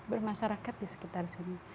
bermasyarakat di sekitar sini